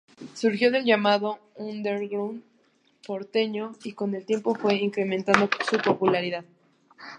Surgió del llamado "underground" porteño, y con el tiempo fue incrementando su popularidad.